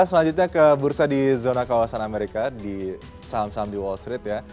selanjutnya ke bursa di zona kawasan amerika di saham saham di wall street ya